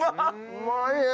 うまいね。